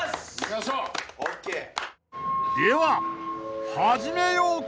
［では始めようか］